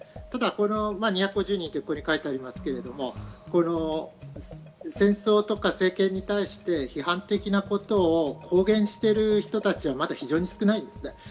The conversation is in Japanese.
ただ２５０人とここに書いてありますけど、戦争とか政権に対して批判的なことを公言している人たちはまだ非常に少ないです。